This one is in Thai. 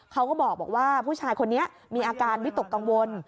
เขาก็บอกว่าผู้ชายคนนี้มีอาการวิตกกังวล